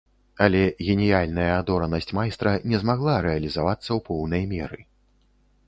Але геніяльная адоранасць майстра не змагла рэалізавацца ў поўнай меры.